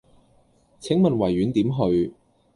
請問維園點去